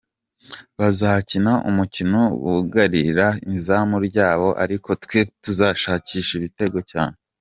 Bazakina umukino bugarira izamu ryabo ariko twe tuzashakisha ibitego cyane.